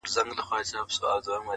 د هغوی به پر اغزیو وي خوبونه!!